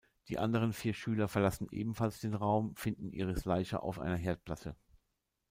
Die anderen vier Schüler verlassen ebenfalls den Raum finden Iris' Leiche auf einer Herdplatte.